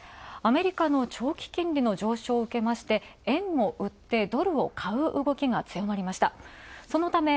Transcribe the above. アメリカの長期金利の上昇を受けて、円を売ってドルを買う動きが強まりました。